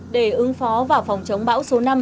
để ứng phó vào phòng chống bão số năm